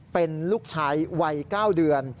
เป็นลูกชายวัย๙เดือน